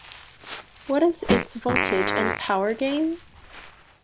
What is its voltage and power gain?